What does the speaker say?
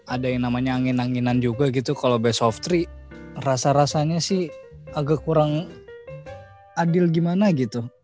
ada yang namanya angin anginan juga gitu kalau best of three rasa rasanya sih agak kurang adil gimana gitu